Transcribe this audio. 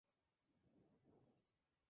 El campo estaba desierto.